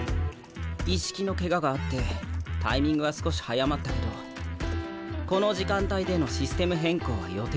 一色のケガがあってタイミングは少し早まったけどこの時間帯でのシステム変更は予定どおり。